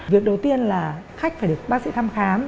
việc đầu tiên là khách phải được bác sĩ thăm khám